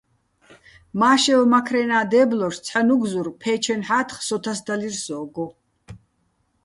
მა́შევ მაქრენა́ დე́ბლოშ ცჰ̦ა ნუგზურ ფე́ჩენ ჰ̦ათხ სო თასდალირ სო́გო.